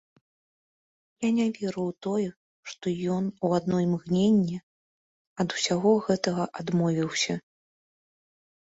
Я не веру ў тое, што ён у адно імгненне ад усяго гэтага адмовіўся.